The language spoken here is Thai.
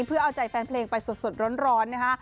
เพื่อเอาใจแฟนเพลงไปสดร้อนนะคะ